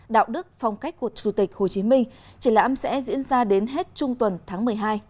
đạo đức phong cách của chủ tịch hồ chí minh triển lãm sẽ diễn ra đến hết trung tuần tháng một mươi hai